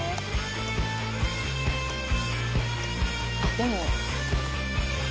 でも。